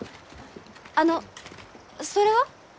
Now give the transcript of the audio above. あのそれは？